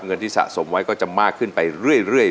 เงินที่สะสมไว้ก็จะมากขึ้นไปเรื่อย